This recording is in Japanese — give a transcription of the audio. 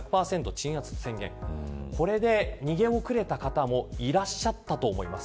これで逃げ遅れた方もいらっしゃったと思います。